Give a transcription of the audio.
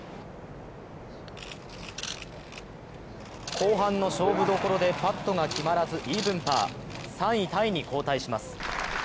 後半の勝負どころでパットが決まらず、イーブンパー、３位タイに後退します。